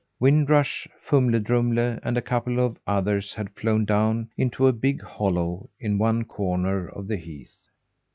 Wind Rush, Fumle Drumle, and a couple of others had flown down into a big hollow in one corner of the heath.